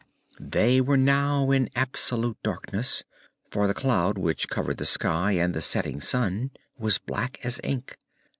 They were now in absolute darkness, for the cloud which covered the sky and the setting sun was black as ink.